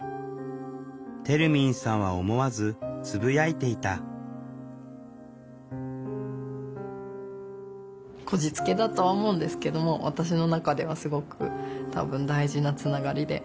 てるみんさんは思わずつぶやいていたこじつけだとは思うんですけども私の中ではすごく多分大事なつながりで。